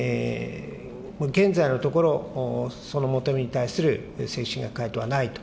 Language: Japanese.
現在のところ、その求めに対する正式な回答はないと。